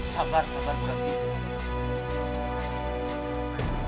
sabar sabar bukan gitu